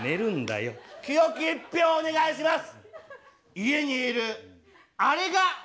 どうか清き一票をお願いします！